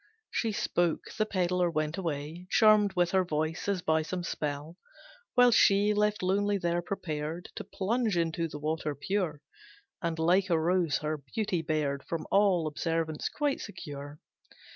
She spoke, the pedlar went away, Charmed with her voice, as by some spell; While she left lonely there, prepared To plunge into the water pure, And like a rose her beauty bared, From all observance quite secure.